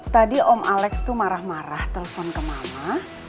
tadi om alex itu marah marah telpon ke mama